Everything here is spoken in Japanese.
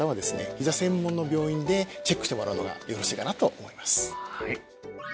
ひざ専門の病院でチェックしてもらうのがよろしいかなと思います